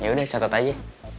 yaudah catet aja